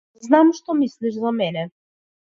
Знам што мислиш за мене.